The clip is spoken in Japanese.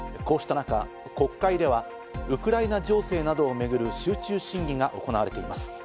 こうしたなか、国会ではウクライナ情勢などをめぐる集中審議が行われています。